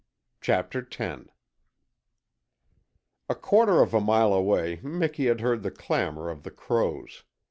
CHAPTER TEN A quarter of a mile away Miki had heard the clamour of the crows.